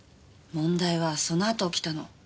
問題はその後起きたの。